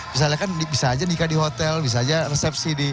misalnya kan bisa aja nikah di hotel bisa aja resepsi di